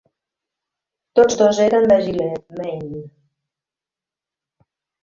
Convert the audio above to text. Tots dos eren de Gilead, Maine.